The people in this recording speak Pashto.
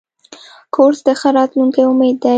کورس د ښه راتلونکي امید دی.